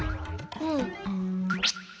うん。